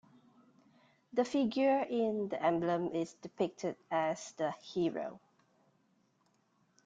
The figure in the emblem is depicted as the "Hero".